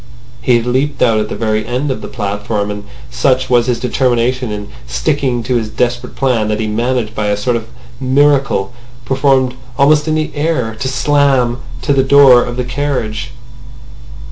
He had leaped out at the very end of the platform; and such was his determination in sticking to his desperate plan that he managed by a sort of miracle, performed almost in the air, to slam to the door of the carriage.